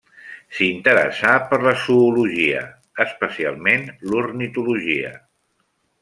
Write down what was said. S'interessà per la zoologia, especialment l'ornitologia.